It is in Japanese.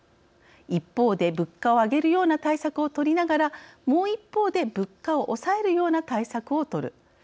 一方で物価を上げるような対策をとりながら、もう一方で物価を抑えるような対策をとる。